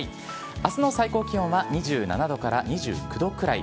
あすの最高気温は２７度から２９度くらい。